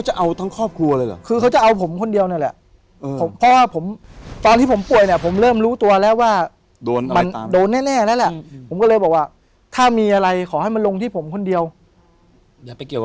ว่าเลยรึคือเขาจะเอาทั้งครอบครัวละหรือ